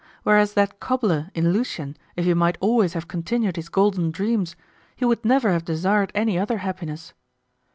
Whereas that cobbler in Lucian if he might always have continued his golden dreams, he would never have desired any other happiness.